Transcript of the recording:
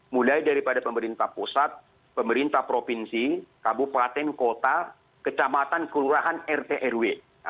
mulai daripada pemerintah pusat pemerintah provinsi kabupaten kota kecamatan kelurahan rt rw